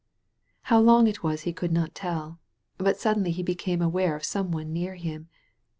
How long it was he could not tell, but suddenly he became aware of some one near him.